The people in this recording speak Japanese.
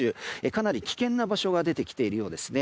かなり危険な場所が出てきているようです。